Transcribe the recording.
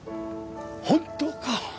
本当か？